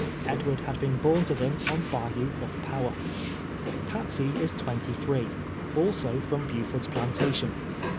Edward had Leen born to them on Bayou Iluti" Power. I'atsey is t\venty three — also from Puford's planta tion.